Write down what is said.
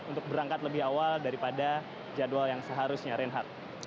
untuk berangkat lebih awal daripada jadwal yang seharusnya reinhardt